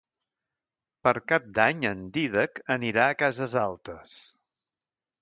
Per Cap d'Any en Dídac anirà a Cases Altes.